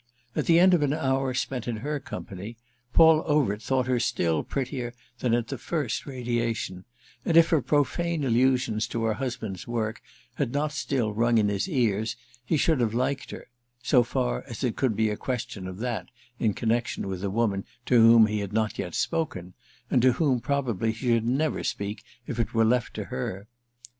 At the end of an hour spent in her company Paul Overt thought her still prettier than at the first radiation, and if her profane allusions to her husband's work had not still rung in his ears he should have liked her—so far as it could be a question of that in connexion with a woman to whom he had not yet spoken and to whom probably he should never speak if it were left to her.